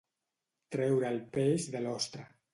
Treure el peix de l'ostra.